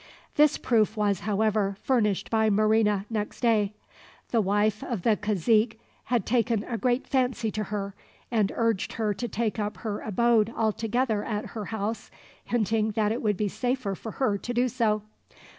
This proof was, however, furnished by Marina next day. The wife of the cazique had taken a great fancy to her, and urged her to take up her abode altogether at her house, hinting that it would be safer for her to do so.